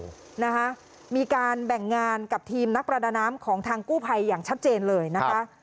นะคะมีการแบ่งงานกับทีมนักประดาน้ำของทางกู้ภัยอย่างชัดเจนเลยนะคะ